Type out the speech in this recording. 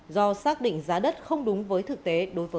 do xác định giá đất không đúng với thực tế đối với bốn khu đất nêu trên